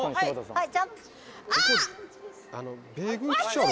はい。